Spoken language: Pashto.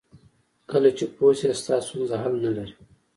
کله چې پوه شې ستا ستونزه حل نه لري.